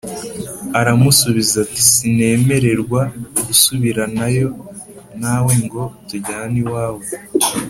Aramusubiza ati “Sinemererwa gusubiranayo nawe ngo tujyane iwawe